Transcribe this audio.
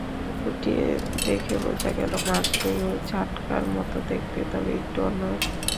খুঁটিয়ে দেখে বোঝা গেল, মাছগুলো জাটকার মতো দেখতে, তবে একটু অন্য রকম।